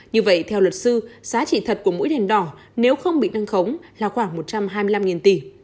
như vậy theo luật sư giá trị thật của mũi đèn đỏ nếu không bị nâng khống là khoảng một trăm hai mươi năm tỷ